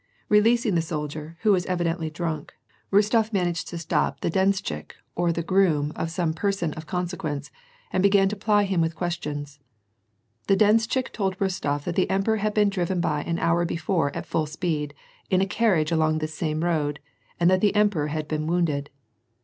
Eeleasing this soldier, who was evidently drunk^ Bostof managed to stop the denshchik or the groom of some person of consequence, and began to ply him with ques tions. The denshchik told Kostof that the emperor had been driven by an hour before at full speed in a carriage along this same road, and that the emperor had been wounded.